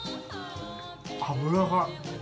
脂が。